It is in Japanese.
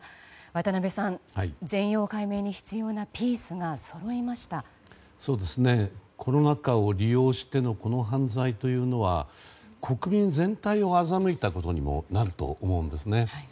渡辺さん、全容解明に必要なコロナ禍を利用してのこの犯罪というのは国民全体を欺いたことにもなると思うんですね。